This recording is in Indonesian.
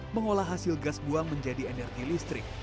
mengolah hasil gas buang menjadi energi listrik